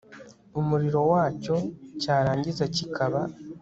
umurimo wacyo cyarangiza kikaba